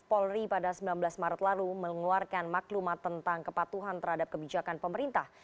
polri pada sembilan belas maret lalu mengeluarkan maklumat tentang kepatuhan terhadap kebijakan pemerintah